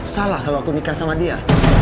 salah kalau aku nikah sama dia